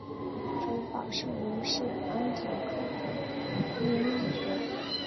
主保圣人是安条克的依纳爵。